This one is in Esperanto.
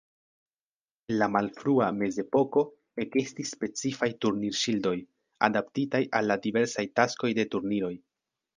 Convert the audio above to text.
En la malfrua mezepoko ekestis specifaj turnir-ŝildoj, adaptitaj al la diversaj taskoj de turniroj.